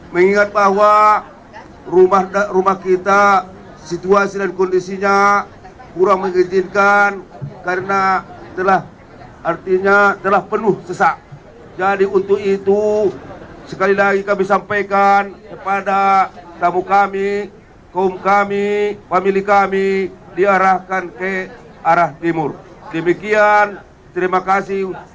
mengingat bahwa rumah rumah kita situasi dan kondisinya kurang mengizinkan karena telah artinya telah penuh sesak jadi untuk itu sekali lagi kami sampaikan kepada tamu kami kaum kami family kami diarahkan ke arah timur demikian terima kasih